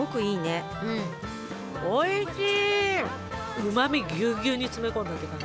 うまみギュウギュウに詰め込んだって感じ。